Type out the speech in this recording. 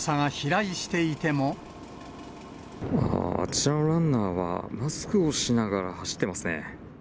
あちらのランナーは、マスクをしながら走ってますね。